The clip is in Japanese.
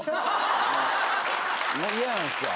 もう嫌なんですわ。